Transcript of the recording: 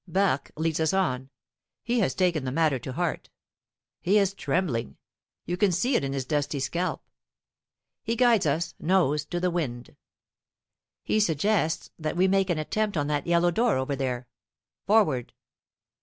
Barque leads us on; he has taken the matter to heart. He is trembling you can see it in his dusty scalp. He guides us, nose to the wind. He suggests that we make an attempt on that yellow door over there. Forward!